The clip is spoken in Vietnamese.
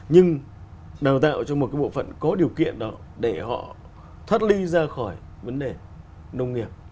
nhưng đào tạo cho một cái bộ phận có điều kiện đó để họ thoát ly ra khỏi vấn đề nông nghiệp